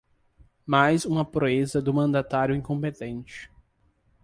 Mais uma proeza do mandatário incompetente